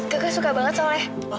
gak gak suka banget soalnya